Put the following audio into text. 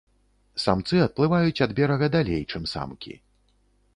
Самцы адплываюць ад берага далей, чым самкі.